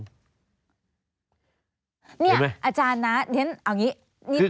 เห็นไหมนี่อาจารย์นะเอาอย่างนี้